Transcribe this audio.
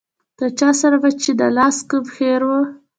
له چا سره به چې د لاس کوم خیر و.